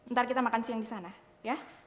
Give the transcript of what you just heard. ntar kita makan siang di sana ya